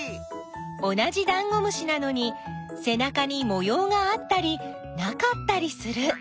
同じダンゴムシなのにせなかにもようがあったりなかったりする！